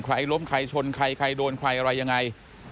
ล้มใครชนใครใครโดนใครอะไรยังไง